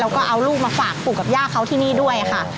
แล้วก็เอาลูกมาฝากปู่กับย่าเขาที่นี่ด้วยค่ะ